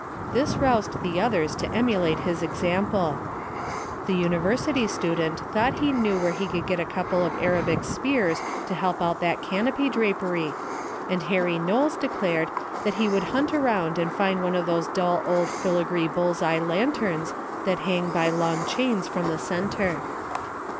This roused the others to emulate his example. The university student thought he knew where he could get a couple of Arabic spears to help out that canopy drapery, and Harry Knowles declared he would hunt around and find one of those dull old filigree bull's eye lanterns that hang by long chains from the centre.